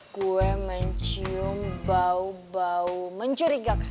gue mencium bau bau mencurigakan